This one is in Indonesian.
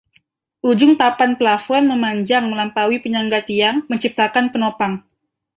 Ujung papan plafon memanjang melampaui penyangga tiang, menciptakan penopang.